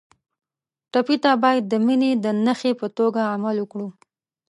ټپي ته باید د مینې د نښې په توګه عمل وکړو.